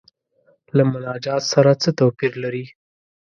له مناجات سره څه توپیر لري.